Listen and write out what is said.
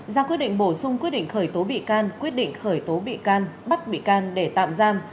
ra quyết định bổ sung quyết định khởi tố bị can quyết định khởi tố bị can bắt bị can để tạm giam